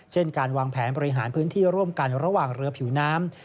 เช่นการวางแผนบริหารพื้นที่ร่วมกันระหว่างเรือผิวน้ำ